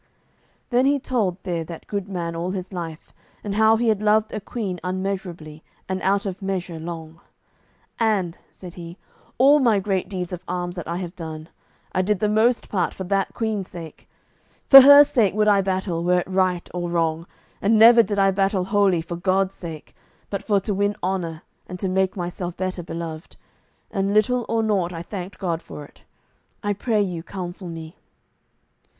Then he told there that good man all his life, and how he had loved a queen unmeasurably, and out of measure long. "And," said he, "all my great deeds of arms that I have done, I did the most part for that queen's sake. For her sake would I battle, were it right or wrong; and never did I battle wholly for God's sake, but for to win honour and to make myself better beloved, and little or naught I thanked God for it. I pray you counsel me."